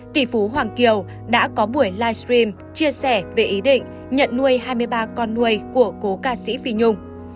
tỷ phú hoàng kiều đã có buổi livestream chia sẻ về ý định nhận nuôi hai mươi ba con nuôi của cố ca sĩ phi nhung